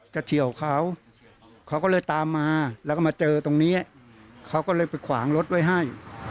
เฉียวเขาเขาก็เลยตามมาแล้วก็มาเจอตรงนี้เขาก็เลยไปขวางรถไว้ให้